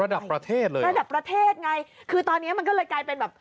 ระดับประเทศเลยระดับประเทศไงคือตอนเนี้ยมันก็เลยกลายเป็นแบบ